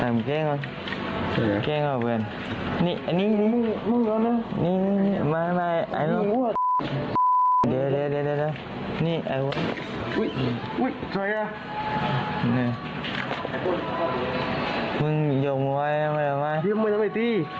มึงหยมไว้เรื่องอะไร